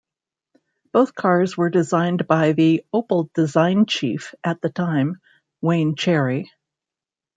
Both cars were designed by the Opel design chief at the time, Wayne Cherry.